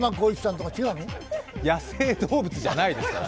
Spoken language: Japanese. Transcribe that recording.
野生動物じゃないですからね。